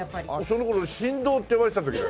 その頃神童って呼ばれてた時だ。